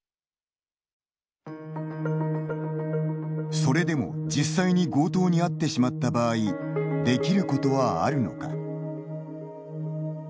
それでも、実際に強盗にあってしまった場合できることはあるのか。